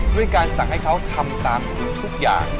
ด้วยการสั่งให้เขาทำตามทุกอย่าง